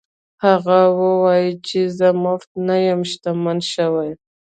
هغه وویل چې زه مفت نه یم شتمن شوی.